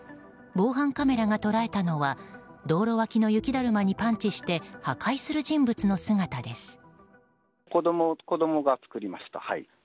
防犯カメラが捉えたのは道路脇の雪だるまにパンチして破壊する人物の姿です。